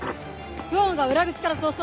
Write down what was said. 久遠が裏口から逃走。